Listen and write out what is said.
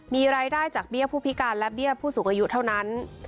มีรายได้จากเบี้ยผู้พิการและเบี้ยผู้สูงอายุเท่านั้น